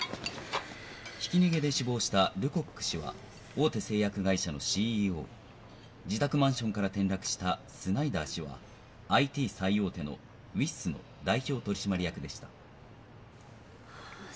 「ひき逃げで死亡したルコック氏は大手製薬会社のＣＥＯ」「自宅マンションから転落したスナイダー氏はＩＴ最大手のウイッスの代表取締役でした」